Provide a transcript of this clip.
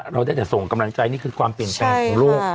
เราจะส่งเกมรั่งใจนี่คือความเปลี่ยนแปลงในโลก